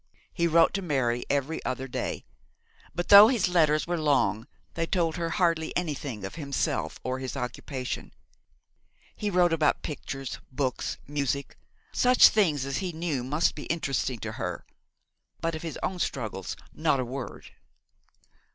He wrote to Mary every other day; but though his letters were long, they told her hardly anything of himself or his occupation. He wrote about pictures, books, music, such things as he knew must be interesting to her; but of his own struggles not a word.